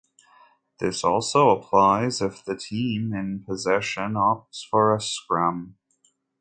This also applies if the team in possession opts for a scrum.